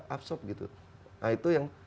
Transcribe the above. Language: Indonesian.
absorb gitu nah itu yang